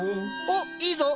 おっいいぞ。